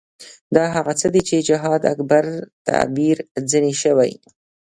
دا هغه څه دي چې جهاد اکبر تعبیر ځنې شوی.